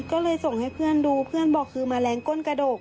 ก็เลยส่งให้เพื่อนดูเพื่อนบอกคือแมลงก้นกระดก